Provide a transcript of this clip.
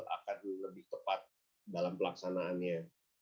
akan lebih tepat dalam pelaksanaannya